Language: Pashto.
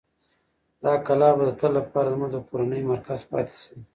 دا کلا به د تل لپاره زموږ د کورنۍ مرکز پاتې شي.